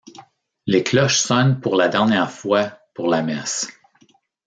Les cloches sonnent pour la dernière fois pour la messe.